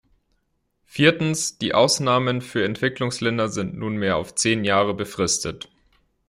Viertens, die Ausnahmen für Entwicklungsländer sind nunmehr auf zehn Jahre befristet.